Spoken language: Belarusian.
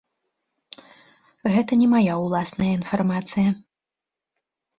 Гэта не мая ўласная інфармацыя.